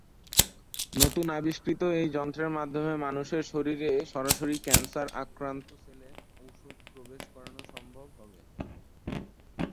নতুন আবিষ্কৃত এই যন্ত্রের মাধ্যমে মানুষের শরীরে সরাসরি ক্যান্সার আক্রান্ত সেলে ওষুধ প্রবেশ করানো সম্ভব হবে।